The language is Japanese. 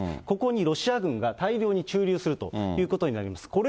ここにロシア軍が大量に駐留するということになります。